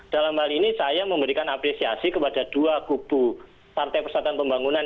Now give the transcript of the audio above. dalam hal ini saya memberikan apresiasi kepada dua kubu partai persatuan pembangunan